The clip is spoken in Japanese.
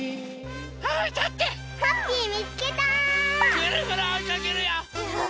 ぐるぐるおいかけるよ！